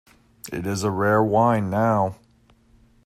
It is a rare wine now.